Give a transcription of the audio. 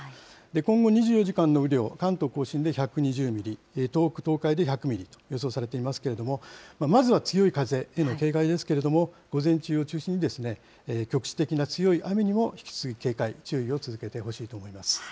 今後２４時間の雨量、関東甲信で１２０ミリ、東北、東海で１００ミリと予想されていますけれども、まずは強い風への警戒ですけれども、午前中を中心に局地的な強い雨にも引き続き警戒、注意を続けてほしいと思います。